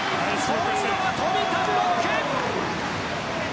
今度は富田、ブロック。